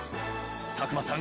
佐久間さん